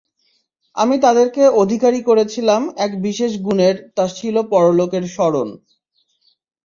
আমি তাদেরকে অধিকারী করেছিলাম এক বিশেষ গুণের তা ছিল পরলোকের স্মরণ।